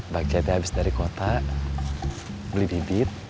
budgetnya habis dari kota beli bibit